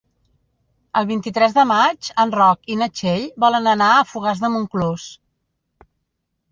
El vint-i-tres de maig en Roc i na Txell volen anar a Fogars de Montclús.